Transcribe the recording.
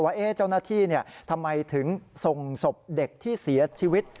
ว่าเจ้าหน้าที่ทำไมถึงส่งศพเด็กที่เสียชีวิต